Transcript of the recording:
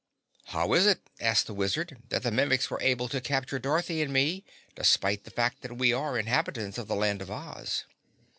"How is it," asked the Wizard, "that the Mimics were able to capture Dorothy and me, despite the fact that we are inhabitants of the Land of Oz?"